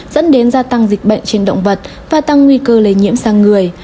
dẫn đến gia tăng dịch bệnh trên động vật và tăng nguy cơ lây nhiễm sang người